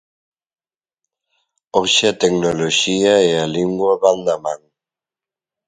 Hoxe a tecnoloxía e as lingua van da man.